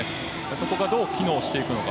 そこがどう機能していくのか。